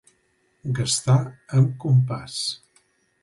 Gastar amb compàs.